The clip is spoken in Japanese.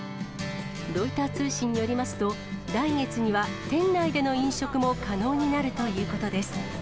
ロイター通信によりますと、来月には店内での飲食も可能になるということです。